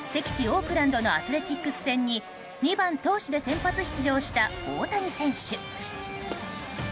オークランドのアスレチックス戦に２番、投手で先発出場した大谷選手。